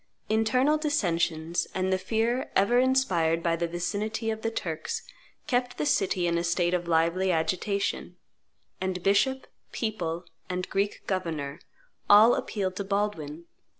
Internal dissensions and the fear ever inspired by the vicinity of the Turks kept the city in a state of lively agitation; and bishop, people, and Greek governor, all appealed to Baldwin.